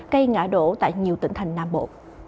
cây ngã đổ tại nhiều tỉnh thành nam bộ